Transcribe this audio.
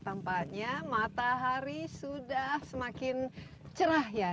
tampaknya matahari sudah semakin cerah ya